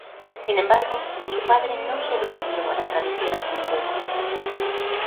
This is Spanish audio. Sin embargo, su padre no sobrevivió a la travesía hacia Cuba.